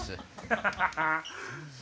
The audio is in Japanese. ハハハハ。